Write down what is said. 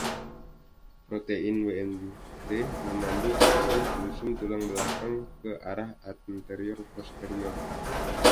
Protein Wnt memandu akson sumsum tulang belakang ke arah anterior-posterior.